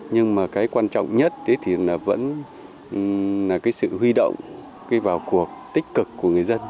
nhưng mà quan trọng nhất là sự huy động vào cuộc tích cực của người dân